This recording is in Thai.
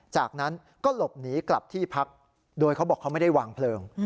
จากนั้นก็หลบหนีกลับที่พักโดยเขาบอกเขาไม่ได้วางเพลิง